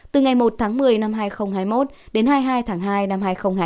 từ ngày một tháng một mươi năm hai nghìn hai mươi một đến hai mươi hai tháng hai năm hai nghìn hai mươi